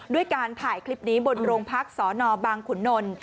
ด้วยการถ่ายคลิปนี้บนโรงพักษณบางขุนนล